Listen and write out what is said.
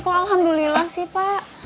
kok alhamdulillah sih pak